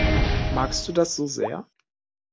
Magst du das so sehr?